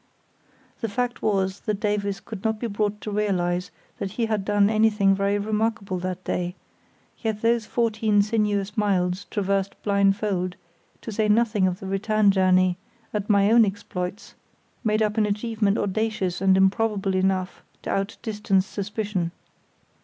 The fact was that Davies could not be brought to realise that he had done anything very remarkable that day; yet those fourteen sinuous miles traversed blindfold, to say nothing of the return journey and my own exploits, made up an achievement audacious and improbable enough to out distance suspicion.